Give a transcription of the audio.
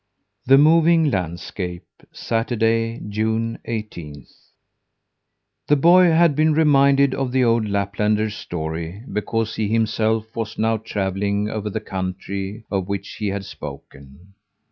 '" THE MOVING LANDSCAPE Saturday, June eighteenth. The boy had been reminded of the old Laplander's story because he himself was now travelling over the country of which he had spoken.